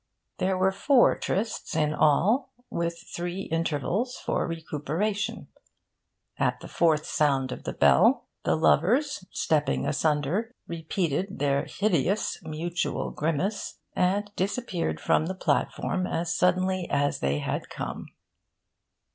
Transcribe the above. There were four trysts in all, with three intervals for recuperation. At the fourth sound of the bell, the lovers, stepping asunder, repeated their hideous mutual grimace, and disappeared from the platform as suddenly as they had come.